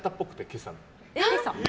今朝。